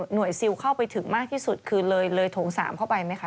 ซิลเข้าไปถึงมากที่สุดคือเลยโถง๓เข้าไปไหมคะ